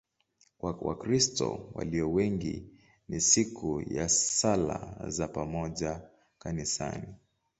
Kwa Wakristo walio wengi ni siku ya sala za pamoja kanisani.